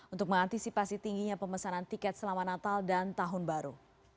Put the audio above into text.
untuk mengantisipasi tingginya pemesanan tiket selama natal dan tahun baru